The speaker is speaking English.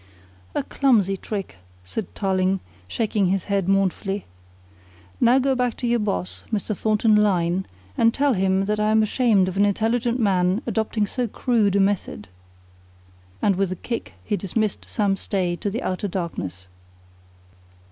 "A clumsy trick," said Tarling, shaking his head mournfully. "Now go back to your boss, Mr. Thornton Lyne, and tell him that I am ashamed of an intelligent man adopting so crude a method," and with a kick he dismissed Sam Stay to the outer darkness.